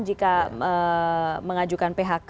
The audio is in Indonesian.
jika mengajukan phk